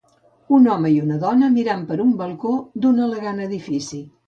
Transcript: Un home i una dona mirant per un balcó d'un elegant edifici